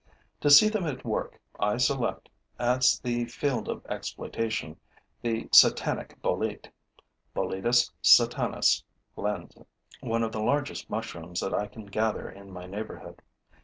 To see them at work, I select, as the field of exploitation, the satanic bolete (Boletus Satanas, LENZ.), one of the largest mushrooms that I can gather in my neighborhood.